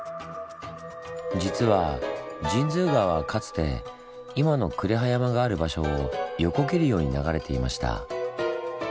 実は神通川はかつて今の呉羽山がある場所を横切るように流れていました。